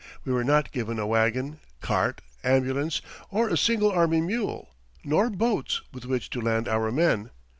We were not given a wagon, cart, ambulance, or a single army mule, nor boats with which to land our men.